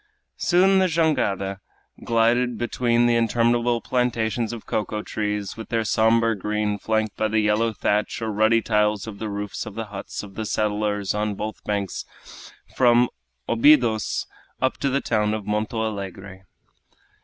Soon the jangada glided between interminable plantations of cocoa trees with their somber green flanked by the yellow thatch or ruddy tiles of the roofs of the huts of the settlers on both banks from Obidos up to the town of Monto Alegre.